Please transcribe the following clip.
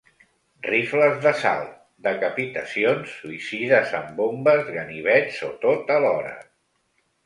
Rifles d’assalt, decapitacions, suïcides amb bombes, ganivets o tot alhora.